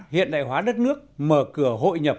hiện đại hóa đất nước mở cửa hội nhập